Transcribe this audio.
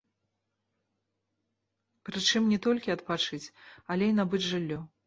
Прычым не толькі адпачыць, але і набыць жыллё.